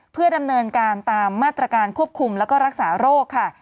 เพื่อดำเนินการตามมาตรการควบคุมแล้วก็รักษาโรคค่ะ